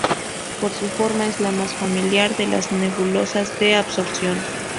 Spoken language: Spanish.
Por su forma es la más familiar de las nebulosas de absorción.